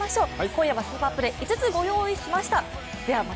今夜はスーパープレー、５つご用意しました。